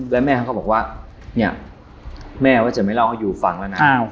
แล้วแม่เขาก็บอกว่าเนี่ยแม่ก็จะไม่เล่าให้ยูฟังแล้วนะ